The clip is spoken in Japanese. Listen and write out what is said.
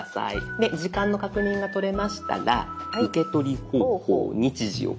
で時間の確認がとれましたら「受け取り方法・日時を決定」